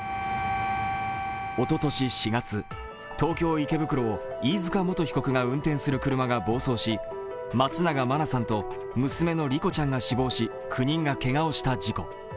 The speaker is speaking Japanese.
おととし４月、東京・池袋を飯塚元被告が運転する車が暴走し、松永真菜さんと娘の莉子ちゃんが死亡し、９人がけがをした事故。